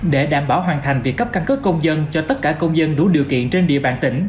để đảm bảo hoàn thành việc cấp căn cước công dân cho tất cả công dân đủ điều kiện trên địa bàn tỉnh